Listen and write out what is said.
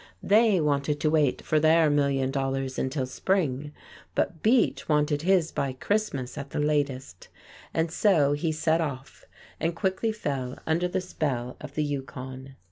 They wanted to wait for their million dollars until spring, but Beach wanted his by Christmas at the latest. And so he set off, and quickly fell under the spell of the Yukon.